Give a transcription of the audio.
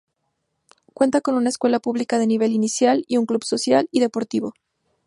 Cuenta con una escuela pública de nivel inicial y un club social y deportivo.